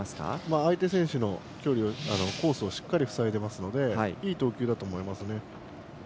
相手選手のコースをしっかり塞いでますのでいい投球だと思います。